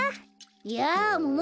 やあもも